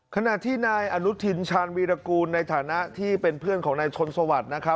ขณะที่นายอนุทินชาญวีรกูลในฐานะที่เป็นเพื่อนของนายชนสวัสดิ์นะครับ